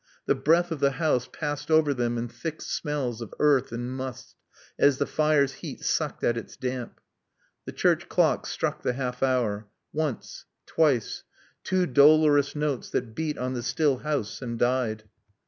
The breath of the house passed over them in thick smells of earth and must, as the fire's heat sucked at its damp. The church clock struck the half hour. Once, twice; two dolorous notes that beat on the still house and died.